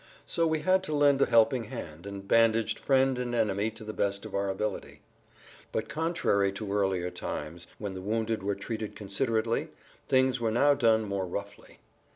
So we had to lend a helping hand, and bandaged friend and enemy to the best of our ability. But contrary to earlier times[Pg 70] when the wounded were treated considerately, things were now done more roughly.